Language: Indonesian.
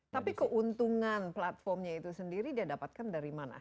tapi keuntungan platformnya itu sendiri dia dapatkan dari mana